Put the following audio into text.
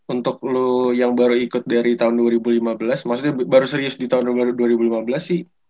untuk lu yang baru ikut dari tahun dua ribu lima belas maksudnya baru serius di tahun dua ribu lima belas sih